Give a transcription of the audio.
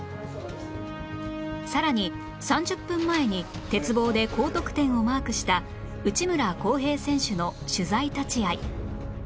さらに３０分前に鉄棒で高得点をマークした内村航平選手の取材立ち会い